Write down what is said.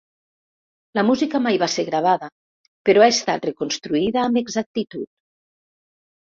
La música mai va ser gravada, però ha estat reconstruïda amb exactitud.